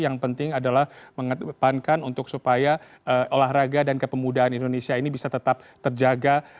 yang penting adalah mengedepankan untuk supaya olahraga dan kepemudaan indonesia ini bisa tetap terjaga